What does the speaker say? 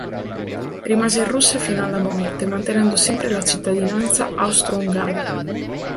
Rimase in Russia fino alla morte, mantenendo sempre la cittadinanza austro-ungarica.